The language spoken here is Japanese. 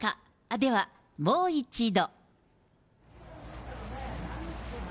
ではもう一度。